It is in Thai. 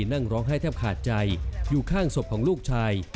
นั่งร้องไห้แทบขาดใจอยู่ข้างศพของลูกชาย